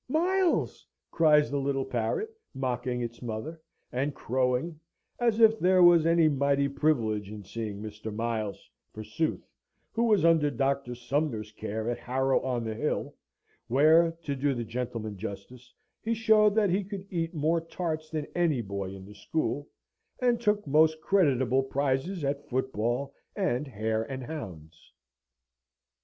"Miles!" cries the little parrot, mocking its mother and crowing; as if there was any mighty privilege in seeing Mr. Miles, forsooth, who was under Doctor Sumner's care at Harrow on the Hill, where, to do the gentleman justice, he showed that he could eat more tarts than any boy in the school, and took most creditable prizes at football and hare and hounds.